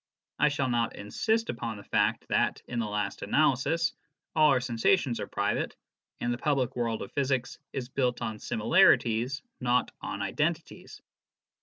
I shall not insist upon the fact that, in the last analysis, all our sensations are private, and the public world of physics is built on similarities, not on identities.